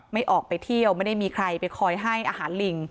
ไม่ออกไปเที่ยวไม่ได้มีใครไปคอยให้อาหารลิง